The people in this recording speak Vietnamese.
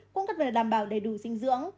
cũng cần đảm bảo đầy đủ sinh dưỡng